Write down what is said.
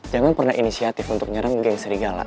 jangan pernah inisiatif untuk nyerang gang serigala